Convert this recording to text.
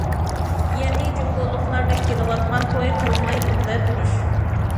يەنى جۇڭگولۇقلار دەپ كېلىۋاتقان« توي قىلماي بىللە تۇرۇش».